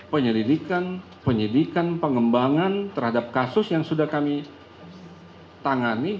penyelidikan penyidikan pengembangan terhadap kasus yang sudah kami tangani